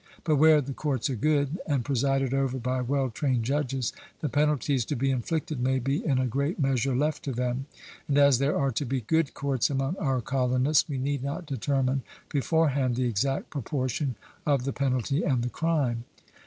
But where the courts are good, and presided over by well trained judges, the penalties to be inflicted may be in a great measure left to them; and as there are to be good courts among our colonists, we need not determine beforehand the exact proportion of the penalty and the crime.